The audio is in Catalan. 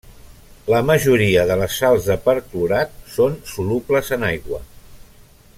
La majoria de les sals de perclorat són solubles en aigua.